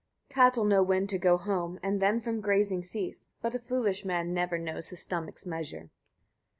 21. Cattle know when to go home, and then from grazing cease; but a foolish man never knows his stomach's measure.